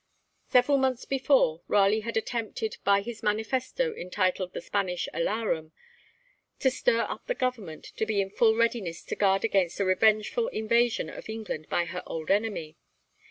Several months before, Raleigh had attempted by his manifesto entitled The Spanish Alarum to stir up the Government to be in full readiness to guard against a revengeful invasion of England by her old enemy.